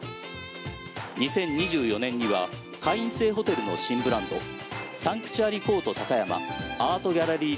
２０２４年には会員制ホテルの新ブランドサンクチュアリコート高山アートギャラリー